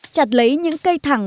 chặt lấy những cây thẳng